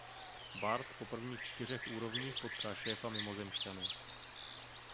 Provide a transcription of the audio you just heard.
Bart po prvních čtyřech úrovních potká šéfa mimozemšťanů.